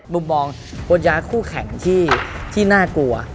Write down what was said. มุมมองบนย้ายคู่แข่งที่น่ากลัว